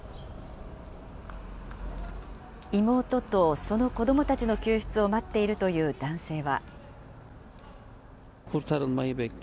妹とその子どもたちの救出を待っているという男性は。